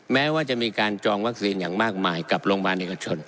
แม้ว่าจะมีการจองวัคซีนอย่างมากมายกับโรงพยาบาลเอกชน